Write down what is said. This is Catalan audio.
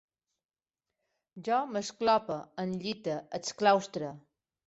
Jo m'esclope, enllite, exclaustre